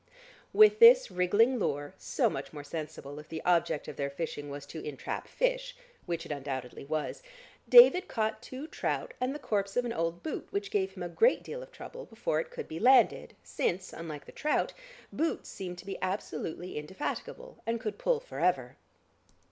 With this wriggling lure, so much more sensible if the object of their fishing was to entrap fish (which it undoubtedly was) David caught two trout and the corpse of an old boot which gave him a great deal of trouble before it could be landed, since, unlike trout, boots seemed to be absolutely indefatigable and could pull forever.